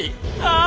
ああ！